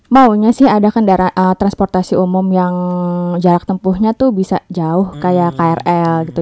maunya sih ada kendaraan transportasi umum yang jarak tempuhnya tuh bisa jauh kayak krl gitu